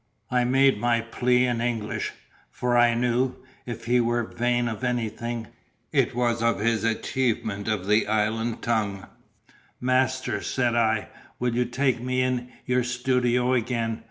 I made my plea in English; for I knew, if he were vain of anything, it was of his achievement of the island tongue. "Master," said I, "will you take me in your studio again?